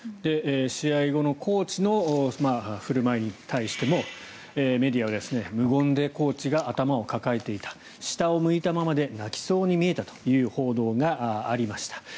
試合後のコーチの振る舞いに対してもメディアは無言でコーチが頭を抱えていた下を向いたままで泣きそうに見えたという報道がありました。